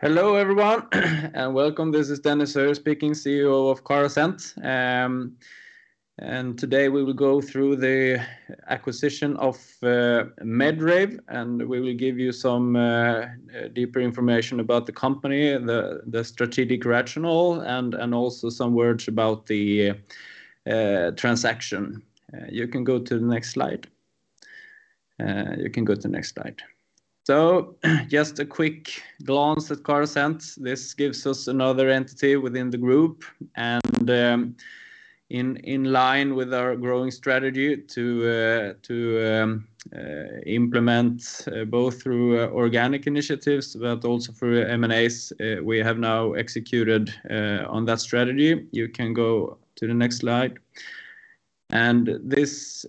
Hello, everyone, and welcome. This is Daniel Öhman speaking, CEO of Carasent. Today we will go through the acquisition of Medrave, and we will give you some deeper information about the company, the strategic rationale and also some words about the transaction. You can go to the next slide. Just a quick glance at Carasent. This gives us another entity within the group and in line with our growing strategy to implement both through organic initiatives, but also through M&As. We have now executed on that strategy. You can go to the next slide. This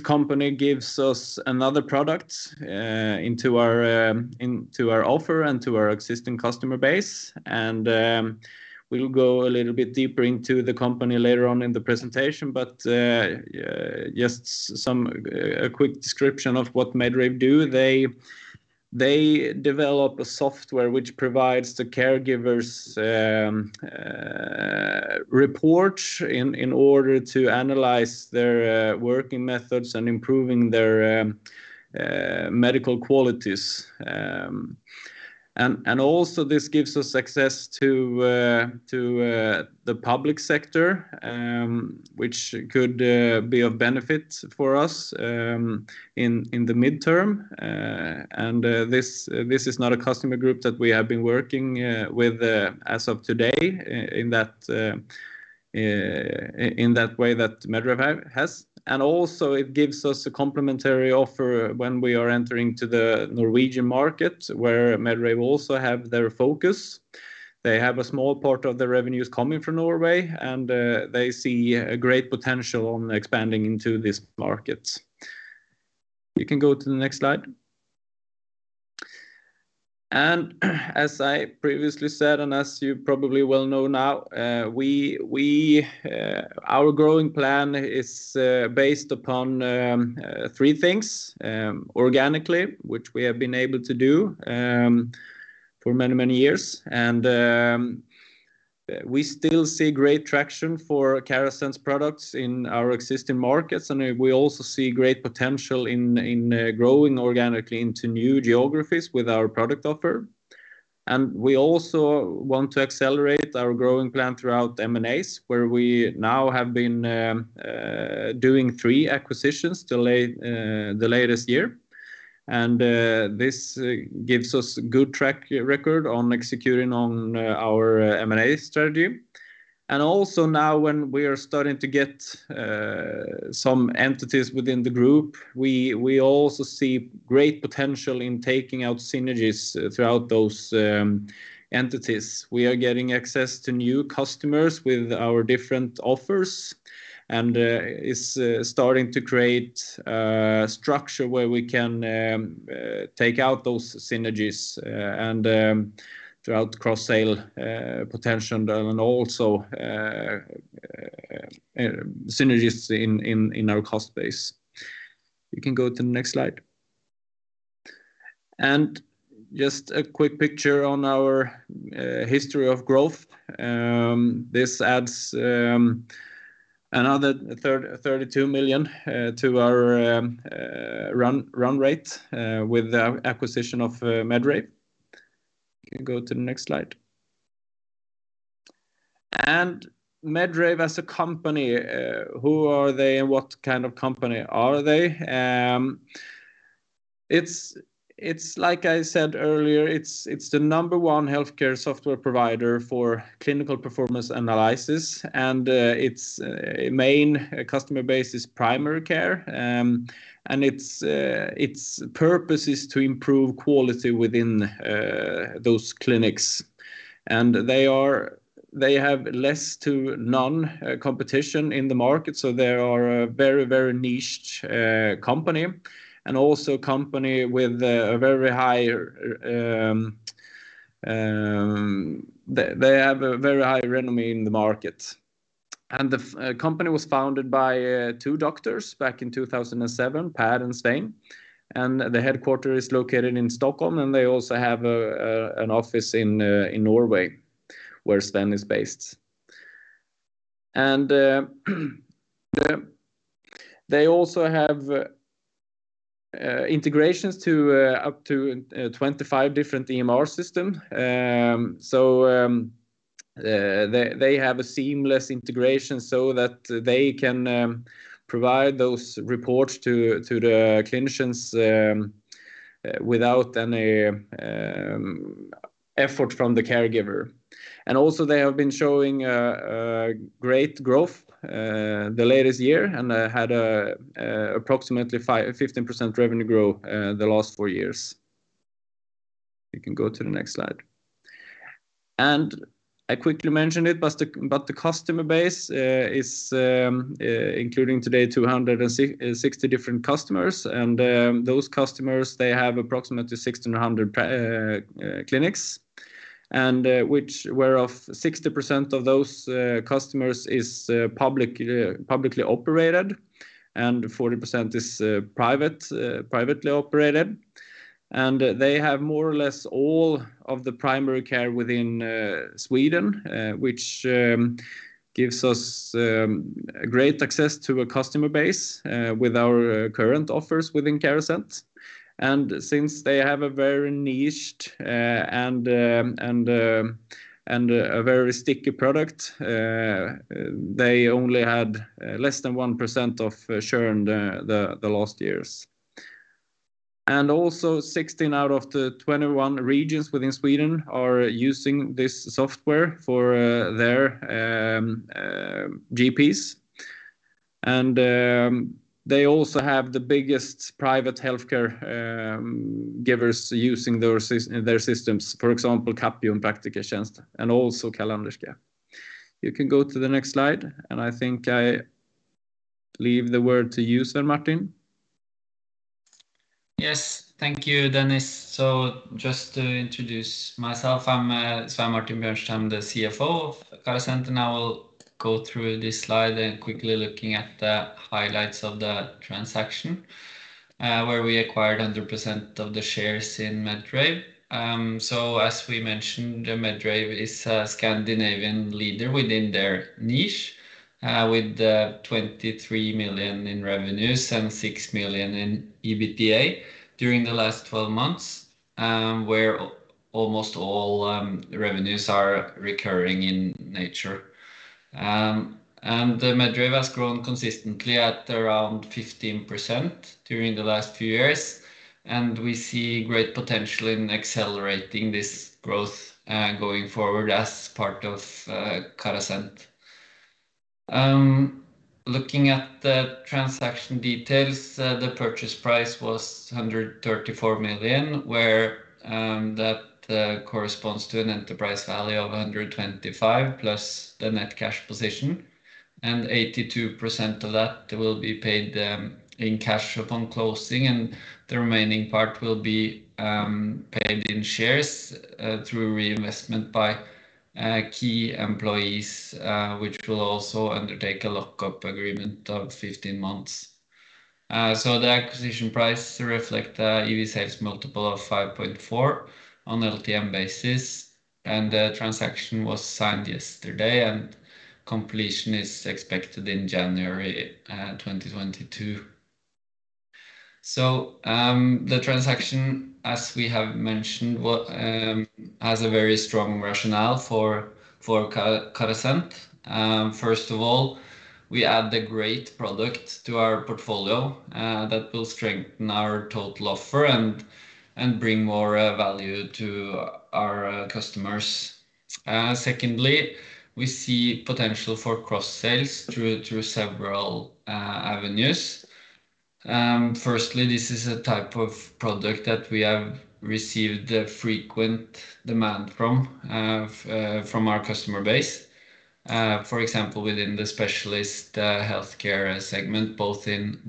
company gives us another product into our offer and to our existing customer base. We'll go a little bit deeper into the company later on in the presentation. Just a quick description of what Medrave do. They develop a software which provides the caregivers' report in order to analyze their working methods and improving their medical qualities. Also this gives us access to the public sector, which could be of benefit for us in the mid-term. This is not a customer group that we have been working with as of today in that way that Medrave has. Also it gives us a complementary offer when we are entering to the Norwegian market where Medrave also have their focus. They have a small part of their revenues coming from Norway, and they see a great potential on expanding into these markets. You can go to the next slide. As I previously said, and as you probably well know now, our growing plan is based upon three things. Organically, which we have been able to do for many, many years. We still see great traction for Carasent's products in our existing markets. We also see great potential in growing organically into new geographies with our product offer. We also want to accelerate our growing plan through M&As, where we now have been doing three acquisitions the latest year. This gives us good track record on executing on our M&A strategy. Also now when we are starting to get some entities within the group, we also see great potential in taking out synergies throughout those entities. We are getting access to new customers with our different offers, and it's starting to create a structure where we can take out those synergies and throughout cross-sale potential and also synergies in our cost base. You can go to the next slide. Just a quick picture on our history of growth. This adds another 32 million to our run rate with the acquisition of Medrave. You can go to the next slide. Medrave as a company, who are they and what kind of company are they? It's like I said earlier, it's the number one healthcare software provider for clinical performance analysis. Its main customer base is primary care. Its purpose is to improve quality within those clinics. They have little to none competition in the market, so they are a very niche company, and also a company with a very high renown in the market. The company was founded by two doctors back in 2007, Per and Svein. The headquarters is located in Stockholm, and they also have an office in Norway, where Svein is based. They also have integrations to up to 25 different EMR systems. They have a seamless integration so that they can provide those reports to the clinicians without any effort from the caregiver. Also they have been showing great growth the latest year, and had approximately 5%-15% revenue growth the last four years. You can go to the next slide. I quickly mentioned it, but the customer base is including today 260 different customers. Those customers, they have approximately 1,600 clinics. Which were of 60% of those customers is publicly operated, and 40% is privately operated. They have more or less all of the primary care within Sweden, which gives us great access to a customer base with our current offers within Carasent. Since they have a very niched and a very sticky product, they only had less than 1% of churn the last years. Also, 16 out of the 21 regions within Sweden are using this software for their GPs. They also have the biggest private healthcare providers using their systems. For example, Capio and Praktikertjänst, and also Carlanderska. You can go to the next slide, and I think I leave the word to you, Svein Martin. Yes. Thank you, Daniel Öhman. Just to introduce myself, I'm Svein Martin Bjørnstad, the CFO of Carasent, and I will go through this slide and quickly looking at the highlights of the transaction, where we acquired 100% of the shares in Medrave. As we mentioned, Medrave is a Scandinavian leader within their niche, with 23 million in revenues and 6 million in EBITDA during the last twelve months, where almost all revenues are recurring in nature. Medrave has grown consistently at around 15% during the last few years, and we see great potential in accelerating this growth, going forward as part of Carasent. Looking at the transaction details, the purchase price was 134 million, where that corresponds to an enterprise value of 125 million plus the net cash position, and 82% of that will be paid in cash upon closing, and the remaining part will be paid in shares through reinvestment by key employees, which will also undertake a lockup agreement of 15 months. The acquisition price reflects a EV/sales multiple of 5.4x on LTM basis, and the transaction was signed yesterday, and completion is expected in January 2022. The transaction, as we have mentioned, has a very strong rationale for Carasent. First of all, we add the great product to our portfolio that will strengthen our total offer and bring more value to our customers. Secondly, we see potential for cross-sales through several avenues. Firstly, this is a type of product that we have received a frequent demand from our customer base, for example, within the specialist healthcare segment, both in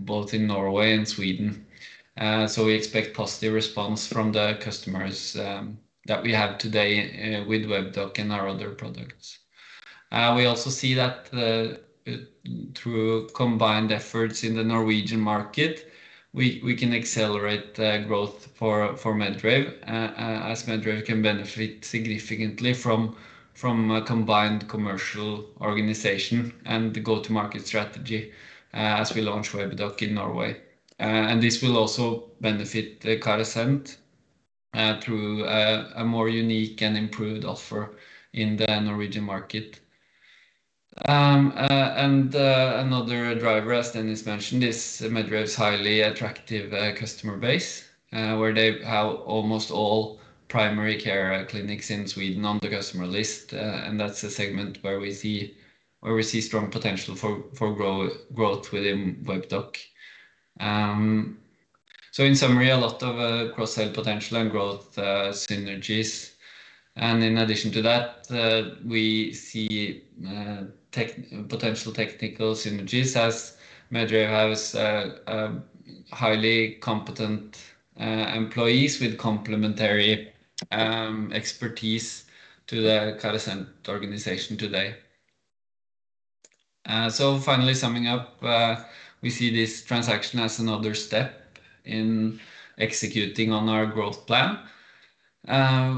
Norway and Sweden. We expect positive response from the customers that we have today with Webdoc and our other products. We also see that through combined efforts in the Norwegian market, we can accelerate growth for Medrave as Medrave can benefit significantly from a combined commercial organization and go-to-market strategy as we launch Webdoc in Norway. This will also benefit Carasent through a more unique and improved offer in the Norwegian market. Another driver, as Daniel mentioned, is Medrave's highly attractive customer base where they have almost all primary care clinics in Sweden on the customer list. That's a segment where we see strong potential for growth within Webdoc. In summary, a lot of cross-sell potential and growth synergies. In addition to that, we see potential technical synergies as Medrave has highly competent employees with complementary expertise to the Carasent organization today. Finally summing up, we see this transaction as another step in executing on our growth plan.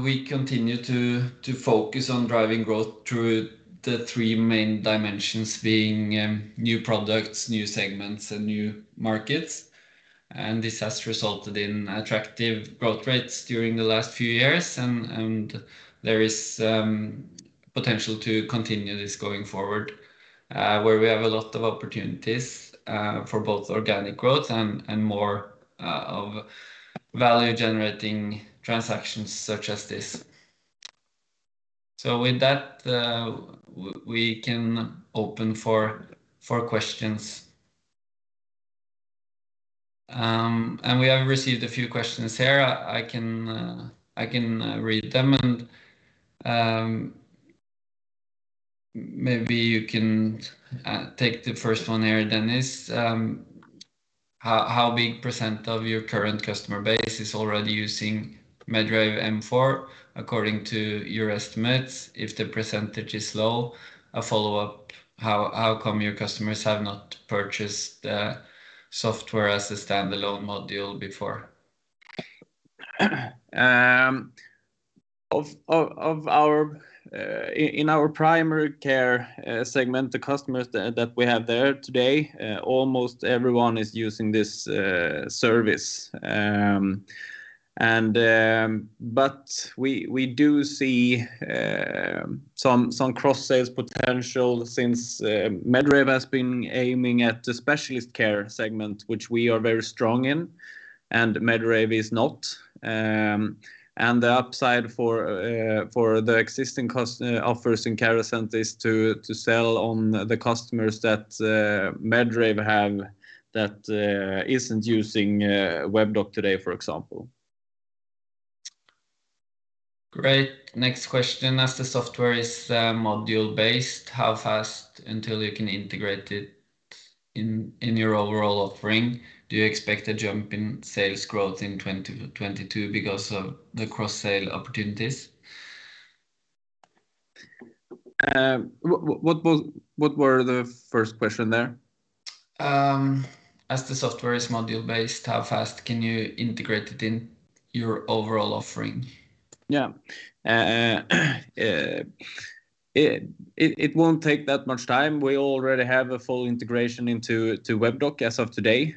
We continue to focus on driving growth through the three main dimensions being new products, new segments, and new markets. This has resulted in attractive growth rates during the last few years and there is potential to continue this going forward, where we have a lot of opportunities for both organic growth and more of value-generating transactions such as this. With that, we can open for questions. We have received a few questions here. I can read them, and maybe you can take the first one here, Dennis. How big percent of your current customer base is already using Medrave M4 according to your estimates? If the percentage is low, a follow-up, how come your customers have not purchased the software as a standalone module before? In our primary care segment, the customers that we have there today, almost everyone is using this service. We do see some cross-sales potential since Medrave has been aiming at the specialist care segment, which we are very strong in and Medrave is not. The upside for the existing offers in Carasent is to sell to the customers that Medrave have that isn't using Webdoc today, for example. Great. Next question. As the software is module-based, how fast until you can integrate it in your overall offering? Do you expect a jump in sales growth in 2022 because of the cross-sale opportunities? What were the first question there? As the software is module-based, how fast can you integrate it in your overall offering? Yeah. It won't take that much time. We already have a full integration into Webdoc as of today.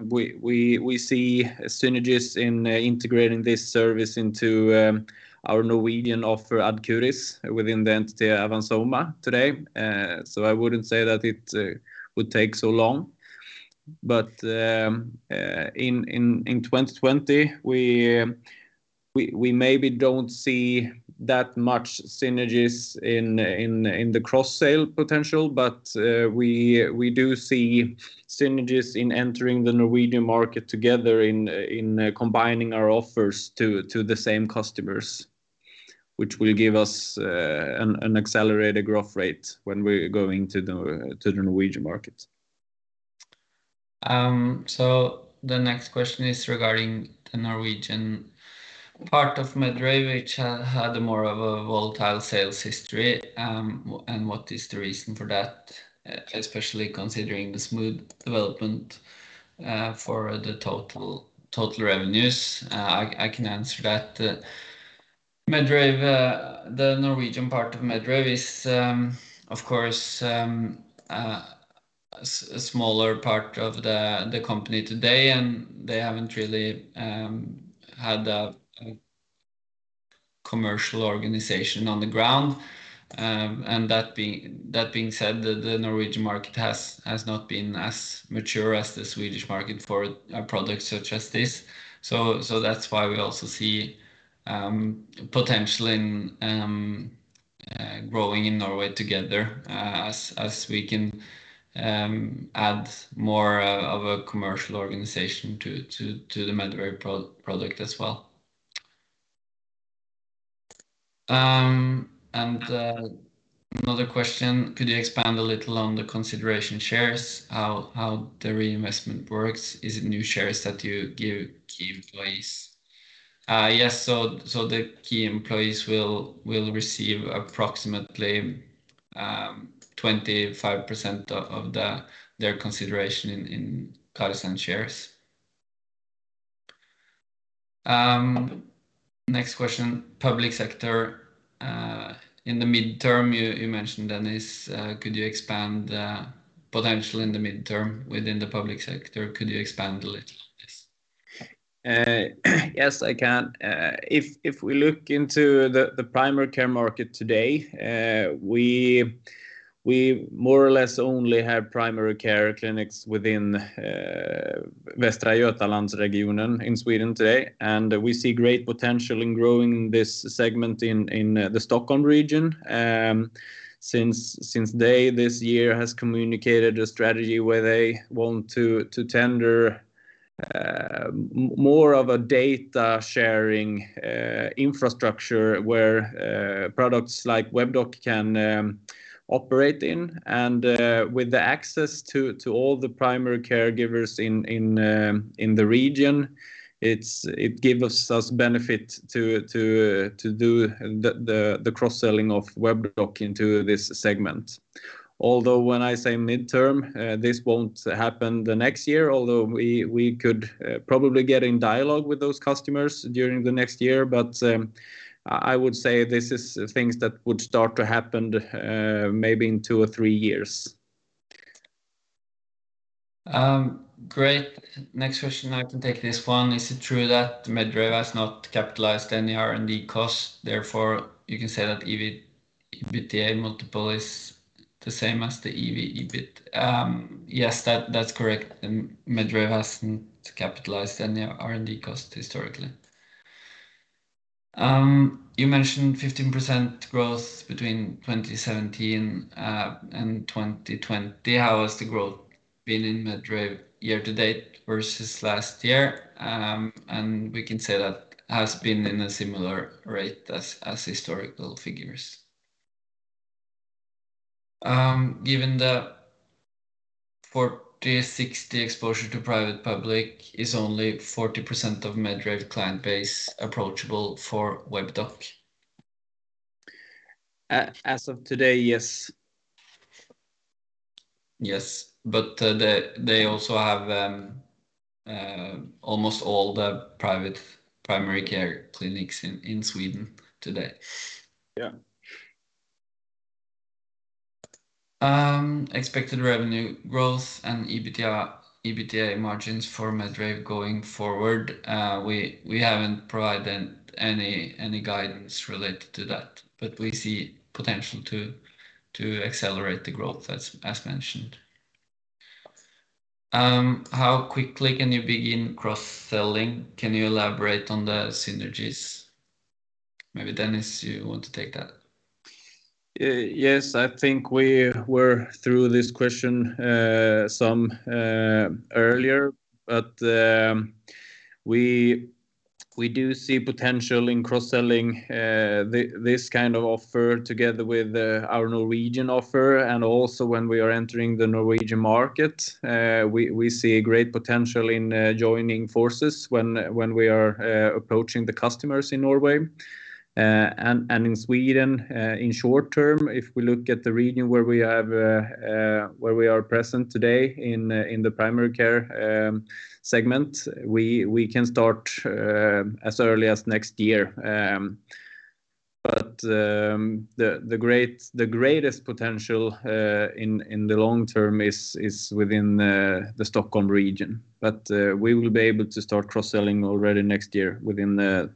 We see synergies in integrating this service into our Norwegian offer, Ad Curis, within the entity Avans Soma today. I wouldn't say that it would take so long. In 2020, we maybe don't see that much synergies in the cross-sale potential, but we do see synergies in entering the Norwegian market together in combining our offers to the same customers, which will give us an accelerated growth rate when we're going to the Norwegian market. The next question is regarding the Norwegian part of Medrave, which had more of a volatile sales history, and what is the reason for that, especially considering the smooth development for the total revenues? I can answer that. The Norwegian part of Medrave is, of course, a smaller part of the company today, and they haven't really had a commercial organization on the ground. That being said, the Norwegian market has not been as mature as the Swedish market for products such as this. That's why we also see potential in growing in Norway together as we can add more of a commercial organization to the Medrave product as well. Another question. Could you expand a little on the consideration shares? How the reinvestment works? Is it new shares that you give key employees? Yes. The key employees will receive approximately 25% of their consideration in Carasent shares. Next question. Public sector in the midterm, you mentioned, Dennis, could you expand potential in the midterm within the public sector? Could you expand a little on this? Yes, I can. If we look into the primary care market today, we more or less only have primary care clinics within Västra Götalandsregionen in Sweden today, and we see great potential in growing this segment in the Stockholm region, since they this year has communicated a strategy where they want to tender more of a data sharing infrastructure where products like Webdoc can operate in. With the access to all the primary caregivers in the region, it give us benefit to do the cross-selling of Webdoc into this segment. Although when I say midterm, this won't happen the next year, although we could probably get in dialogue with those customers during the next year. I would say this is things that would start to happen, maybe in two or three-years. Great. Next question, I can take this one. Is it true that Medrave has not capitalized any R&D costs, therefore you can say that EV-EBITDA multiple is the same as the EV-EBIT? Yes, that's correct. Medrave hasn't capitalized any R&D cost historically. You mentioned 15% growth between 2017 and 2020. How has the growth been in Medrave year to date versus last year? We can say that has been in a similar rate as historical figures. Given the 40-60 exposure to private public is only 40% of Medrave client base approachable for Webdoc. As of today, yes. Yes, they also have almost all the private primary care clinics in Sweden today. Yeah. Expected revenue growth and EBITDA margins for Medrave going forward. We haven't provided any guidance related to that, but we see potential to accelerate the growth as mentioned. How quickly can you begin cross-selling? Can you elaborate on the synergies? Maybe Dennis, you want to take that. Yes. I think we were through this question some earlier. We do see potential in cross-selling this kind of offer together with our Norwegian offer and also when we are entering the Norwegian market. We see a great potential in joining forces when we are approaching the customers in Norway. In Sweden in short term, if we look at the region where we are present today in the primary care segment, we can start as early as next year. The greatest potential in the long term is within the Stockholm region. We will be able to start cross-selling already next year within the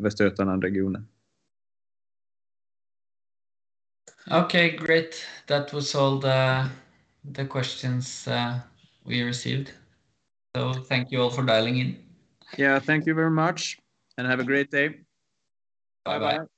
Västernorrland region. Okay, great. That was all the questions we received. Thank you all for dialing in. Yeah. Thank you very much, and have a great day. Bye-bye. Bye-bye.